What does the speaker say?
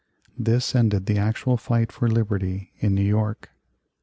This ended the actual fight for liberty in New York.